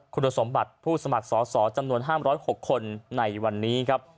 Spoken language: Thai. คุณสมบัติผู้สมัครสอสอจำนวน๕๐๖คนในวันนี้ครับ